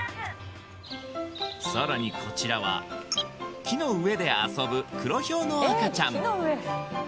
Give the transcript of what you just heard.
さらにこちらは木の上で遊ぶクロヒョウの赤ちゃん